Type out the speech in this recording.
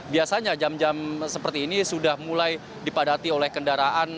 biasanya jam jam seperti ini sudah mulai dipadati oleh kendaraan